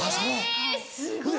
えすごい！